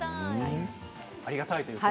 ありがたい。